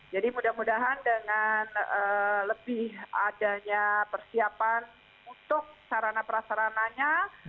jadi mudah mudahan dengan lebih adanya persiapan untuk sarana perasarananya